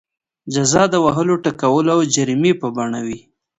جزا د وهلو ټکولو او جریمې په بڼه وي.